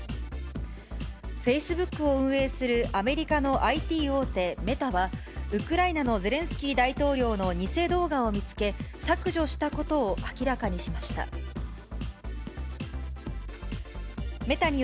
フェイスブックを運営するアメリカのＩＴ大手、メタは、ウクライナのゼレンスキー大統領の偽動画を見つけ、削除したことを明らかにしました。